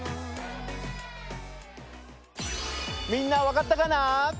みんなわかったかな？